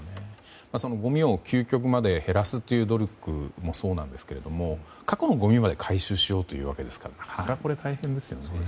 ごみを究極まで減らすという努力もそうなんですが過去のごみまで回収しようというわけですからなかなかこれ、大変ですよね。